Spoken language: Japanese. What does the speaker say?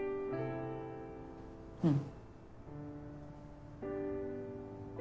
うん。